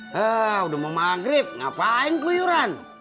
hah udah mau maghrib ngapain guyuran